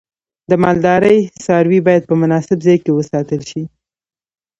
د مالدارۍ څاروی باید په مناسب ځای کې وساتل شي.